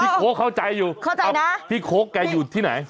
ไปพี่โค๊กเข้าใจอยู่พี่โค๊กแกอยู่ที่ไหน